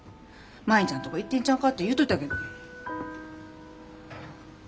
舞ちゃんとこ行ってんちゃうかて言うといたけど。